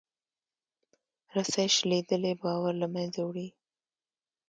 رسۍ شلېدلې باور له منځه وړي.